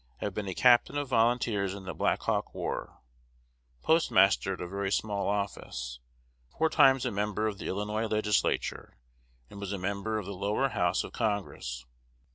Have been a captain of volunteers in the Black Hawk War. Postmaster at a very small office. Four times a member of the Illinois Legislature, and was a member of the Lower House of Congress."